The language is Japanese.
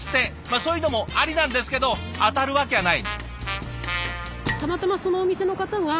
そういうのもありなんですけど当たるわきゃない。